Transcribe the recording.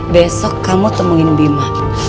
besok kamu temuin bima